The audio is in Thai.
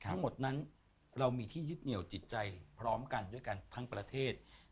ทั้งหมดนั้นเรามีที่ยึดเหนียวจิตใจพร้อมกันด้วยกันทั้งประเทศ